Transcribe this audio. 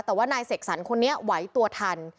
แต่ว่านายเสกสรรคนนี้ไหวตัวทัน